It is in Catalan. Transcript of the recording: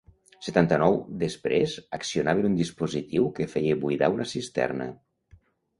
Setanta-nou després accionaven un dispositiu que feia buidar una cisterna.